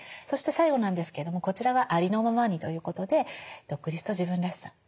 そして最後なんですけどもこちらは「ありのままに」ということで独立と自分らしさ。